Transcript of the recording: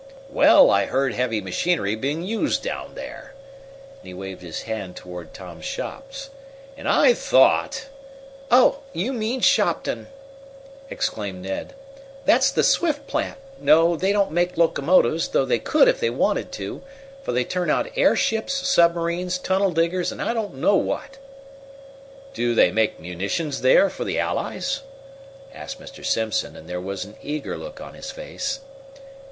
"Well, I heard heavy machinery being used down there;" and he waved his hand toward Tom's shops, "and I thought " "Oh, you mean Shopton!" exclaimed Ned. "That's the Swift plant. No, they don't make locomotives, though they could if they wanted to, for they turn out airships, submarines, tunnel diggers, and I don't know what." "Do they make munitions there for the Allies?" asked Mr. Simpson, and there was an eager look on his face.